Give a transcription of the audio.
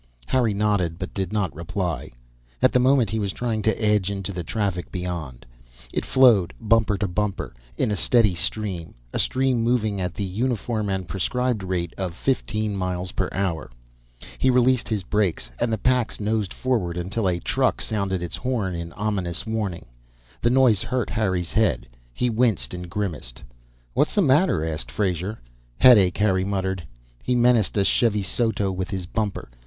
Harry nodded but did not reply. At the moment he was trying to edge into the traffic beyond. It flowed, bumper to bumper, in a steady stream; a stream moving at the uniform and prescribed rate of fifteen miles per hour. He released his brakes and the Pax nosed forward until a truck sounded its horn in ominous warning. The noise hurt Harry's head; he winced and grimaced. "What's the matter?" asked Frazer. "Headache," Harry muttered. He menaced a Chevsoto with his bumper.